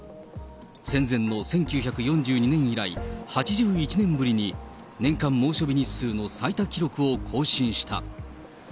戦前の１９４２年以来、８１年ぶりに、年間猛暑日日数の最多記録を更新した。